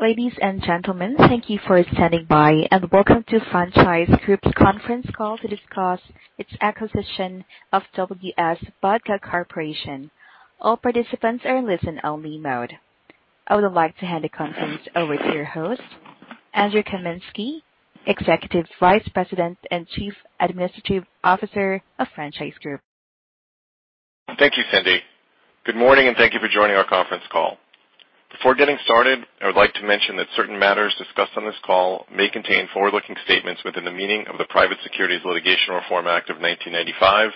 Ladies and gentlemen, thank you for standing by, and welcome to Franchise Group's conference call to discuss its acquisition of W.S. Badcock Corporation. All participants are in listen only mode. I would like to hand the conference over to your host, Andrew Kaminsky, Executive Vice President and Chief Administrative Officer of Franchise Group. Thank you, Cindy. Good morning, and thank you for joining our conference call. Before getting started, I would like to mention that certain matters discussed on this call may contain forward-looking statements within the meaning of the Private Securities Litigation Reform Act of 1995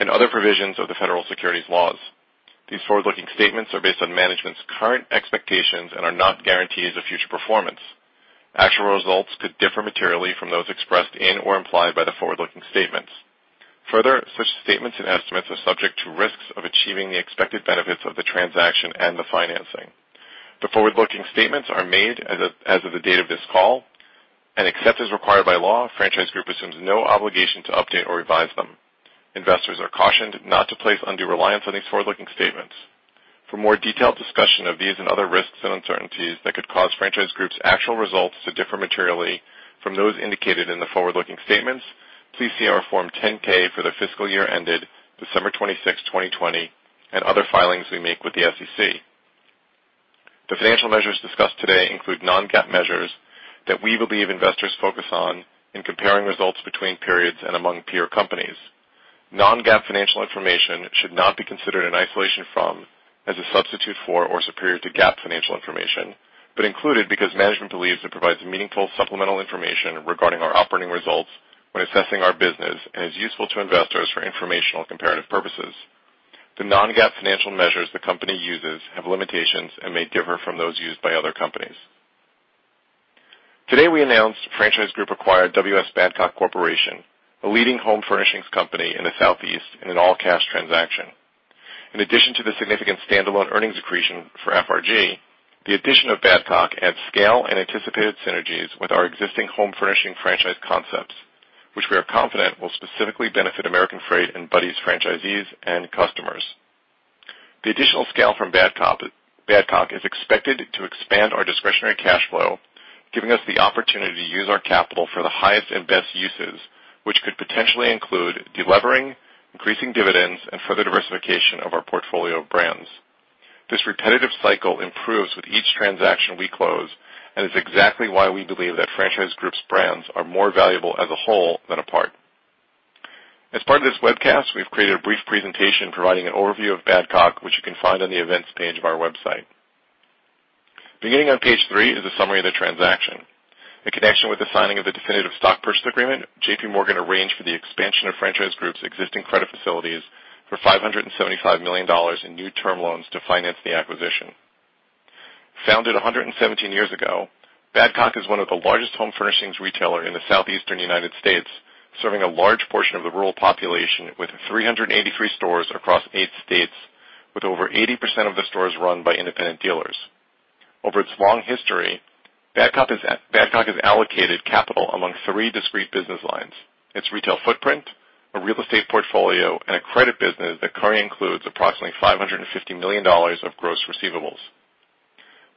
and other provisions of the federal securities laws. These forward-looking statements are based on management's current expectations and are not guarantees of future performance. Actual results could differ materially from those expressed in or implied by the forward-looking statements. Further, such statements and estimates are subject to risks of achieving the expected benefits of the transaction and the financing. The forward-looking statements are made as of the date of this call, and except as required by law, Franchise Group assumes no obligation to update or revise them. Investors are cautioned not to place undue reliance on these forward-looking statements. For more detailed discussion of these and other risks and uncertainties that could cause Franchise Group's actual results to differ materially from those indicated in the forward-looking statements, please see our Form 10-K for the fiscal year ended 26 December 2020, and other filings we make with the SEC. The financial measures discussed today include non-GAAP measures that we believe investors focus on in comparing results between periods and among peer companies. Non-GAAP financial information should not be considered in isolation from, as a substitute for, or superior to GAAP financial information, but included because management believes it provides meaningful supplemental information regarding our operating results when assessing our business and is useful to investors for informational comparative purposes. The non-GAAP financial measures the company uses have limitations and may differ from those used by other companies. Today, we announced Franchise Group acquired W.S. Badcock Corporation, a leading home furnishings company in the Southeast, in an all-cash transaction. In addition to the significant standalone earnings accretion for FRG, the addition of Badcock adds scale and anticipated synergies with our existing home furnishing franchise concepts, which we are confident will specifically benefit American Freight and Buddy's franchisees and customers. The additional scale from Badcock is expected to expand our discretionary cash flow, giving us the opportunity to use our capital for the highest and best uses, which could potentially include de-levering, increasing dividends, and further diversification of our portfolio of brands. This repetitive cycle improves with each transaction we close, and is exactly why we believe that Franchise Group's brands are more valuable as a whole than apart. As part of this webcast, we've created a brief presentation providing an overview of Badcock, which you can find on the events page of our website. Beginning on page three is a summary of the transaction. In connection with the signing of the definitive stock purchase agreement, JPMorgan arranged for the expansion of Franchise Group's existing credit facilities for $575 million in new term loans to finance the acquisition. Founded 117 years ago, Badcock is one of the largest home furnishings retailer in the southeastern U.S., serving a large portion of the rural population with 383 stores across eight states, with over 80% of the stores run by independent dealers. Over its long history, Badcock has allocated capital among three discrete business lines, its retail footprint, a real estate portfolio, and a credit business that currently includes approximately $550 million of gross receivables.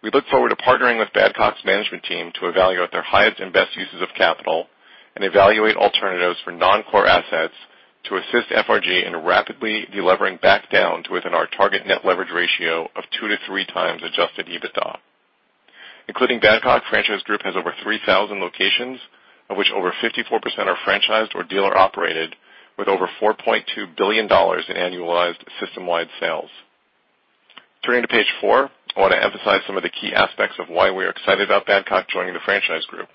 We look forward to partnering with Badcock's management team to evaluate their highest and best uses of capital and evaluate alternatives for non-core assets to assist FRG in rapidly de-levering back down to within our target net leverage ratio of 2 to 3x adjusted EBITDA. Including Badcock, Franchise Group has over 3,000 locations, of which over 54% are franchised or dealer-operated, with over $4.2 billion in annualized system-wide sales. Turning to page four, I wanna emphasize some of the key aspects of why we are excited about Badcock joining the Franchise Group.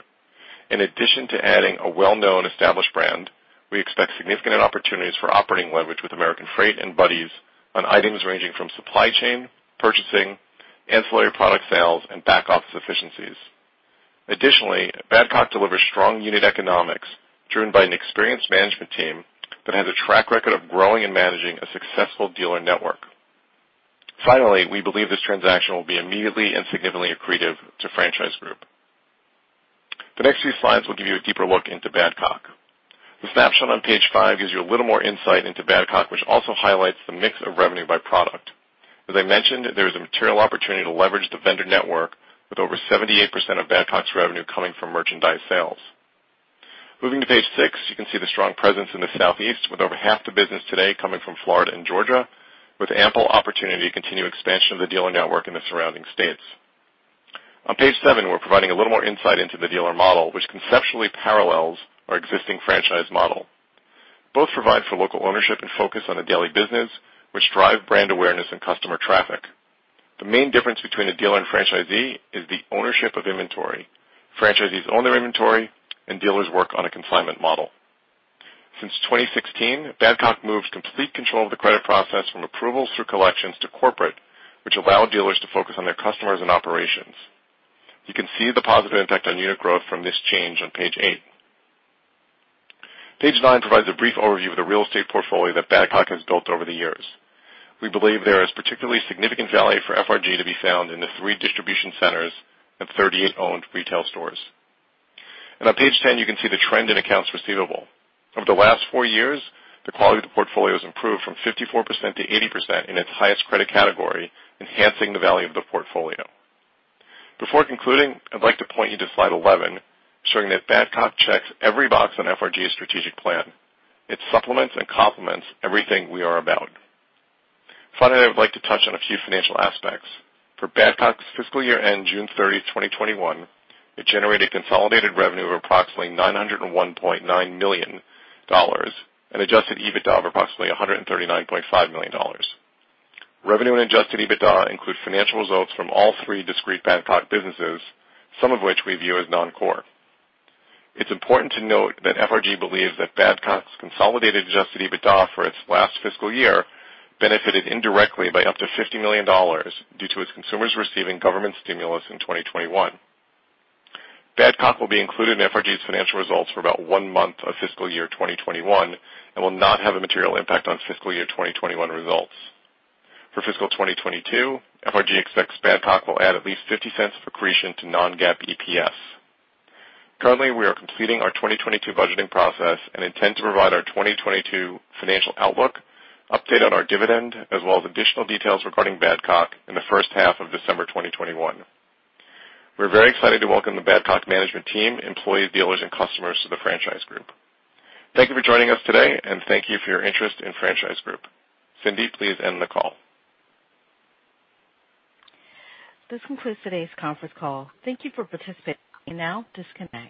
In addition to adding a well-known established brand, we expect significant opportunities for operating leverage with American Freight and Buddy's on items ranging from supply chain, purchasing, ancillary product sales, and back office efficiencies. Additionally, Badcock delivers strong unit economics driven by an experienced management team that has a track record of growing and managing a successful dealer network. Finally, we believe this transaction will be immediately and significantly accretive to Franchise Group. The next few slides will give you a deeper look into Badcock. The snapshot on page five gives you a little more insight into Badcock, which also highlights the mix of revenue by product. As I mentioned, there is a material opportunity to leverage the vendor network with over 78% of Badcock's revenue coming from merchandise sales. Moving to page six, you can see the strong presence in the Southeast, with over half the business today coming from Florida and Georgia, with ample opportunity to continue expansion of the dealer network in the surrounding states. On page seven, we're providing a little more insight into the dealer model, which conceptually parallels our existing franchise model. Both provide for local ownership and focus on the daily business, which drive brand awareness and customer traffic. The main difference between a dealer and franchisee is the ownership of inventory. Franchisees own their inventory, and dealers work on a consignment model. Since 2016, Badcock moved complete control of the credit process from approvals through collections to corporate, which allow dealers to focus on their customers and operations. You can see the positive impact on unit growth from this change on page eight. Page nine provides a brief overview of the real estate portfolio that Badcock has built over the years. We believe there is particularly significant value for FRG to be found in the three distribution centers and 38 owned retail stores. On page ten, you can see the trend in accounts receivable. Over the last four years, the quality of the portfolio has improved from 54% to 80% in its highest credit category, enhancing the value of the portfolio. Before concluding, I'd like to point you to slide 11, showing that Badcock checks every box on FRG's strategic plan. It supplements and complements everything we are about. Finally, I would like to touch on a few financial aspects. For Badcock's fiscal year ended 30 June 2021, it generated consolidated revenue of approximately $901.9 million and adjusted EBITDA of approximately $139.5 million. Revenue and adjusted EBITDA include financial results from all three discrete Badcock businesses, some of which we view as non-core. It's important to note that FRG believes that Badcock's consolidated adjusted EBITDA for its last fiscal year benefited indirectly by up to $50 million due to its consumers receiving government stimulus in 2021. Badcock will be included in FRG's financial results for about one month of fiscal year 2021 and will not have a material impact on fiscal year 2021 results. For fiscal 2022, FRG expects Badcock will add at least $0.50 of accretion to non-GAAP EPS. Currently, we are completing our 2022 budgeting process and intend to provide our 2022 financial outlook, update on our dividend, as well as additional details regarding Badcock in the first half of December 2021. We're very excited to welcome the Badcock management team, employees, dealers, and customers to the Franchise Group. Thank you for joining us today, and thank you for your interest in Franchise Group. Cindy, please end the call. This concludes today's conference call. Thank you for participating. You may now disconnect.